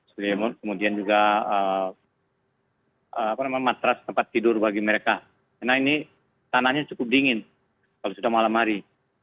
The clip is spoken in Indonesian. kemudian juga matras tempat tidur bagi mereka karena ini tanahnya cukup dingin kalau sudah malam hari